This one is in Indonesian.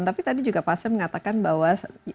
tapi tadi juga pak asep mengatakan bahwa